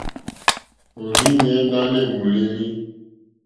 Òrzìɲɛ́ ná lê môlélí.